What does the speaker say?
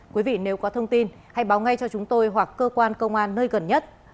quý vị nếu có thông tin hãy báo ngay cho chúng tôi hoặc cơ quan công an nơi gần nhất